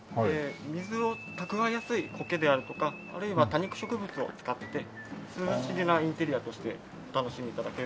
水を蓄えやすいコケであるとかあるいは多肉植物を使って涼しげなインテリアとしてお楽しみ頂ける。